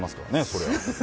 そりゃ。